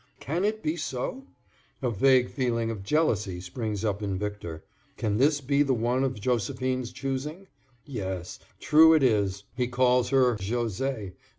Can it be so? A vague feeling of jealousy springs up in Victor. Can this be the one of Josephine's choosing? Yes, true it is; he calls her José.